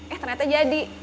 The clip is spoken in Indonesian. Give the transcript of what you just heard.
eh ternyata jadi